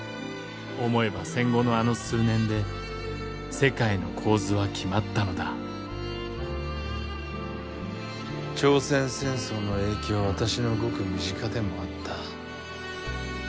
思えば戦後のあの数年で世界の構図は決まったのだ朝鮮戦争の影響は私のごく身近でもあった。